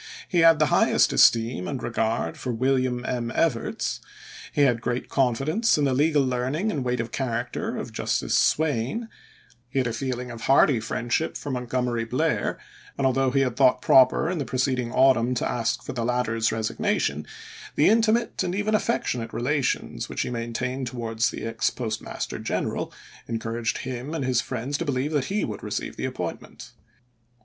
He had the highest esteem and regard for William M. Evarts ; he had great confi dence in the legal learning and weight of character of Justice Swayne; he had a feeling of hearty friend ship for Montgomery Blair, and although he had thought proper in the preceding autumn to ask for the latter's resignation, the intimate and even affec tionate relations which he maintained towards the ex Postmaster General encouraged him and his friends to believe that he would receive the appointment.